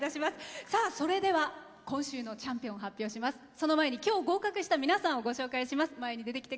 それでは今日、合格した皆さんご紹介します。